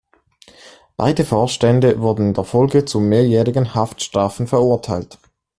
Beide Vorstände wurden in der Folge zu mehrjährigen Haftstrafen verurteilt.